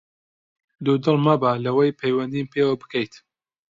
دوودڵ مەبە لەوەی پەیوەندیم پێوە بکەیت!